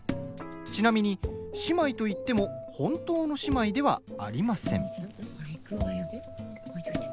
ちなみに、姉妹といっても本当の姉妹ではありません。